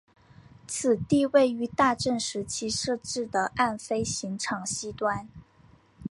此地位于大正时期设置的岸飞行场西端。